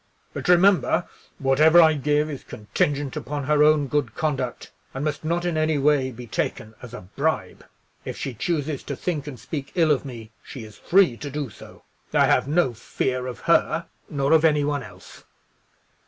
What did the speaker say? But remember, whatever I give is contingent upon her own good conduct, and must not in any way be taken as a bribe. If she chooses to think and speak ill of me, she is free to do so. I have no fear of her; nor of any one else."